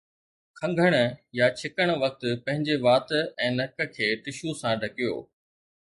کنگڻ يا ڇڻڻ وقت پنهنجي وات ۽ نڪ کي ٽشو سان ڍڪيو